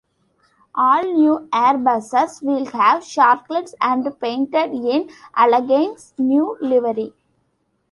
All new Airbuses will have sharklets and painted in Allegaint's new livery.